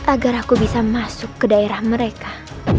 agar aku bisa masuk ke daerah mereka